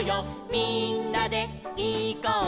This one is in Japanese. みんなでいこうよ」